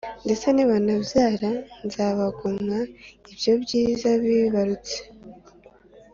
Ndetse nibanabyara, nzabagomwa ibyo byiza bibarutse.